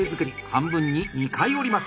半分に２回折ります。